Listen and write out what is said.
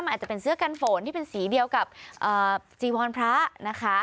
มันอาจจะเป็นเสื้อกันฝนที่เป็นสีเดียวกับจีวรพระนะคะ